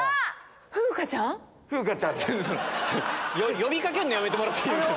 呼び掛けるのやめてもらっていいですか。